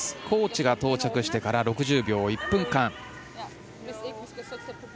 コーチが到着してから６０秒、１分間。